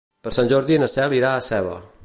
Per Sant Jordi na Cel irà a Seva.